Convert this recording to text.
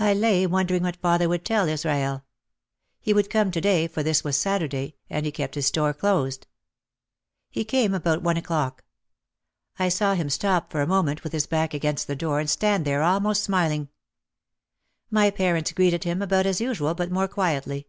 I lay wondering what father would tell Israel. He would come to day for this was Saturday and he kept his store closed. He came about one o'clock. I saw him stop for a moment with his back against the door and stand there almost smiling. My parents greeted him about as usual but more quietly.